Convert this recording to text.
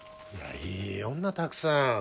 いいよそんなたくさん。